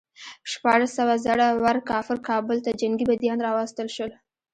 شپاړس سوه زړه ور کافر کابل ته جنګي بندیان راوستل شول.